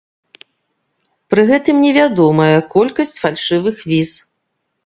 Пры гэтым невядомая колькасць фальшывых віз.